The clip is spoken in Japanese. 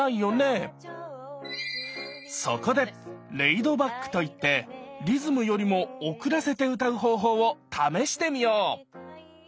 そこで「レイドバック」といってリズムよりも遅らせて歌う方法を試してみよう！